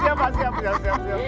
siap pak siap siap siap